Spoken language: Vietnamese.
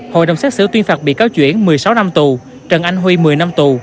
hội đồng xét xử tuyên phạt bị cáo chuyển một mươi sáu năm tù trần anh huy một mươi năm tù